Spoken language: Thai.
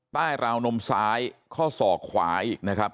ราวนมซ้ายข้อศอกขวาอีกนะครับ